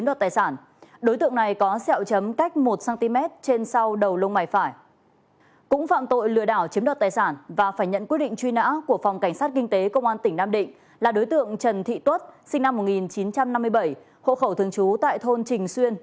đối tượng trần thị tuất sinh năm một nghìn chín trăm năm mươi bảy hộ khẩu thường trú tại thôn trình xuyên